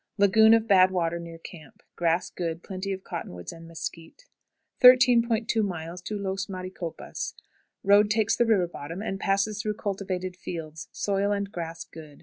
Lagoon of bad water near camp. Grass good; plenty of cottonwood and mesquite. 13.20. Los Maricopas. Road takes the river bottom, and passes through cultivated fields; soil and grass good.